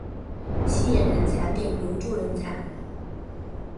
吸引人才并留住人才